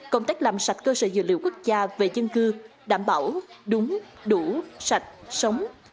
công tác làm sạch cơ sở dự liệu quốc gia về dân cư đảm bảo đúng đủ sạch sống